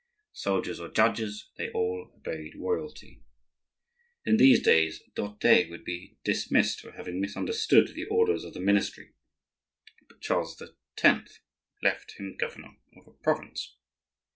Soldiers or judges, they all obeyed royalty. In these days d'Orthez would be dismissed for having misunderstood the orders of the ministry, but Charles X. left him governor of a province.